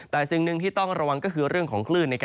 แต่สิ่งหนึ่งที่ต้องระวังก็คือเรื่องของคลื่น